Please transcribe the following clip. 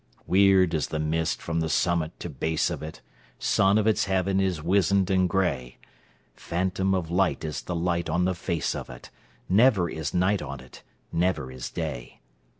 Weird is the mist from the summit to base of it; Sun of its heaven is wizened and grey; Phantom of light is the light on the face of it—Never is night on it, never is day!